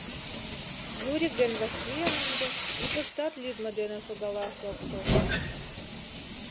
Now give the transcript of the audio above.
Юрик ден Васлийын ынде ӱпыштат лӱдмӧ дене шогалаш ок тошт.